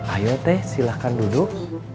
ayo teh silahkan duduk